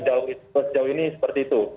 di jauh ini seperti itu